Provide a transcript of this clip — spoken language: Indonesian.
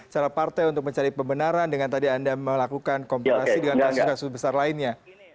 cara partai untuk mencari pembenaran dengan tadi anda melakukan komparasi dengan kasus kasus besar lainnya